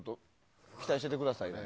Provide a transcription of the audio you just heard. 期待しててくださいね。